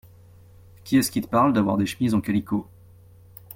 Qui est-ce qui te parle d’avoir des chemises en calicot ?